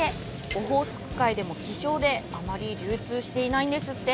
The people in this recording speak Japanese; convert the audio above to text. オホーツク海でも希少であまり流通しないんですって。